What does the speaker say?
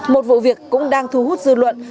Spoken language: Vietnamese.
một vụ việc cũng đang thu hút dư luận